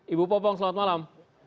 ibu popong selamat malam